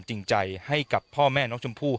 หลังจากผู้ชมไปฟังเสียงแม่น้องชมไป